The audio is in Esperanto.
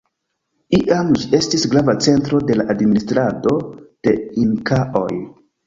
Iam ĝi estis grava centro de la administrado de Inkaoj.